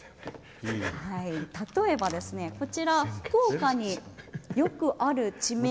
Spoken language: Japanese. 例えば、福岡によくある地名